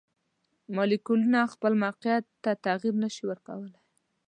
مالیکولونه خپل موقیعت ته تغیر نشي ورکولی.